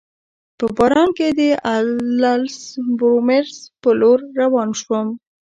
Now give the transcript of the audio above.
په باران کي د اسلز بورومیز په لور روان شوم.